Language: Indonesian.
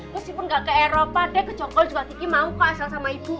meskipun nggak ke eropa deh ke jogor juga kiki mau ke asal sama ibu